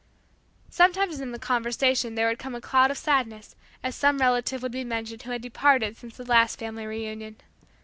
Sometimes in the conversation there would come a cloud of sadness as some relative would be mentioned who had departed since the last family reunion.